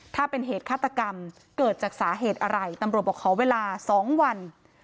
ถ้าเป็นเหตุฆาตกรรมเกิดจากสาเหตุอะไรตำรวจบอกขอเวลา๒วัน